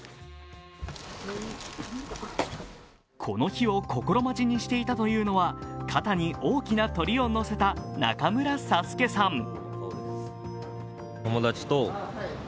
この日を心待ちにしていたというのは、肩に大きな鳥を乗せた中村佐助さん。